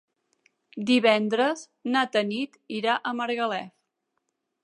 Divendres na Tanit irà a Margalef.